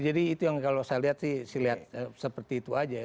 jadi itu yang kalau saya lihat sih saya lihat seperti itu aja